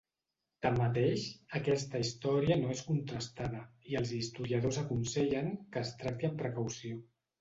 Tanmateix, aquesta història no és contrastada i els historiadors aconsellen que es tracti amb precaució.